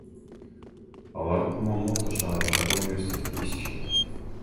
Алар Кумамото шаарындагы университетте иштешет.